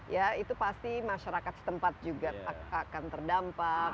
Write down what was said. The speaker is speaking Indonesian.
ya itu pasti masyarakat setempat juga akan terdampak